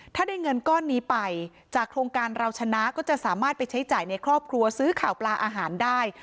ถ้าได้เงินก้อนนี้ไปจากโครงการเราชนะก็จะสามารถไปใช้จ่ายในครอบครัวซื้อข่าวปลาอาหารได้